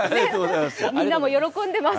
みんなも喜んでます。